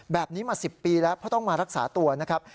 แบบนี้มา๑๐ปีแล้วเพราะต้องมารักษาตัวนะครับ